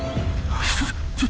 あっ